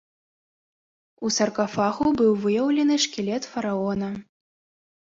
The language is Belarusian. У саркафагу быў выяўлены шкілет фараона.